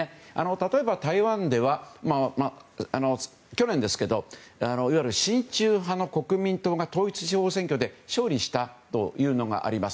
例えば、台湾では去年ですけどいわゆる親中派の国民党が統一地方選挙で勝利したというのがあります。